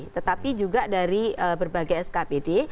tetapi juga dari berbagai skpd